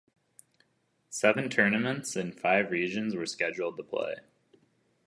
Seven tournaments in five regions were scheduled to played.